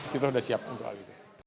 kita sudah siap untuk hal itu